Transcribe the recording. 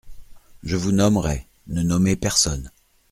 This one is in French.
Je vous nommerai … Ne nommez personne.